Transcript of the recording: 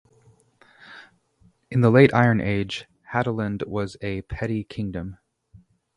In the late Iron Age, Hadeland was a petty kingdom.